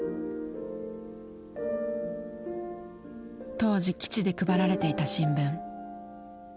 当時基地で配られていた新聞。